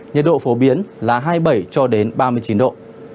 nhiệt độ phổ biến là hai mươi bảy ba mươi chín độ